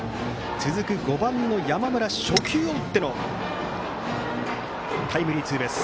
続く５番の山村は初球を打ってのタイムリーツーベース。